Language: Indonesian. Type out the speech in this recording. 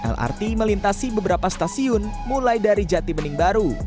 lrt melintasi beberapa stasiun mulai dari jati bening baru